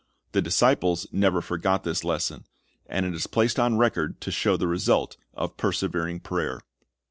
The disciples never forgot this lesson, and it is placed on record to show the result of persevering prayer.